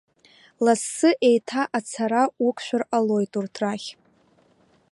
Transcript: Лассы еиҭа ацара уқәшәар ҟалоит урҭ рахь.